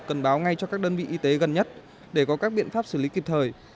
cần báo ngay cho các đơn vị y tế gần nhất để có các biện pháp xử lý kịp thời